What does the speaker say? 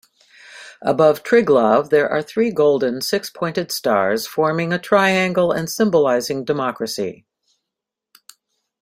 Above Triglav, there are three golden, six-pointed stars, forming a triangle and symbolising democracy.